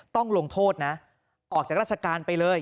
ต้องลงโทษนะออกจากราชการไปเลย